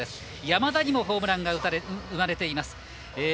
山田にもホームランを打たれています。